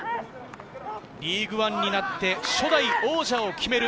リーグワンになって初代王者を決める